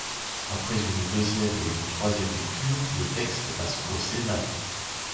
Après une deuxième et une troisième lecture, le texte passe au Sénat.